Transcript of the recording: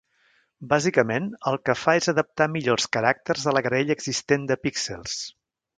Bàsicament, el que fa és adaptar millor els caràcters a la graella existent de píxels.